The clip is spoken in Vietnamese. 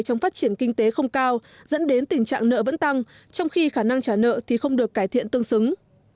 trong phát triển kinh tế không cao dẫn đến tình trạng nợ vẫn tăng trong khi khả năng trả nợ thì không được cải thiện tương xứng